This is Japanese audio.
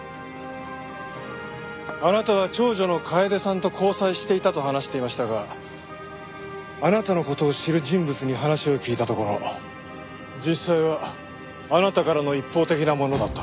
あなたは長女の楓さんと交際していたと話していましたがあなたの事を知る人物に話を聞いたところ実際はあなたからの一方的なものだった。